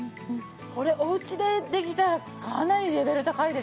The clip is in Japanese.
これおうちでできたらかなりレベル高いですね。